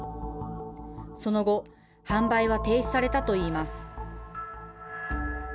その後、販売は停止されたといいます。